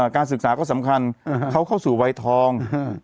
การศึกษาก็สำคัญเขาเข้าสู่วัยทอง